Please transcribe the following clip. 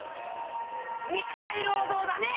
肉体労働だね！